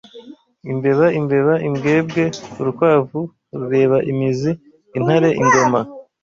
Imbeba, imbeba, imbwebwe, urukwavu rureba imizi; intare, ingoma ,